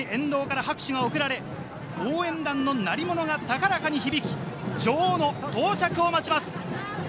３年ぶりに沿道から拍手が送られ、応援団の鳴り物が高らかに響き、女王の到着を待ちます。